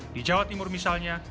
di jawa timur misalnya